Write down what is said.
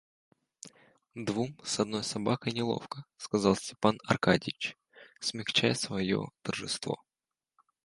Двум с одною собакой неловко, — сказал Степан Аркадьич, смягчая свое торжество.